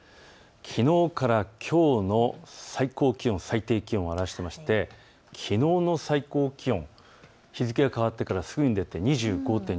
きのうからきょうの最高気温、最低気温を表していましてきのうの最高気温、日付が変わってからすぐに出て２５．２度。